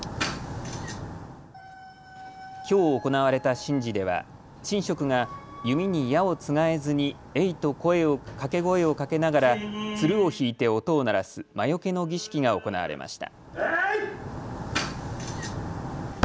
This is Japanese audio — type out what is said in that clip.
きょう行われた神事では神職が弓に矢をつがえずにえいと掛け声をかけながら弦を引いて音を鳴らす魔よけの儀式が行われました。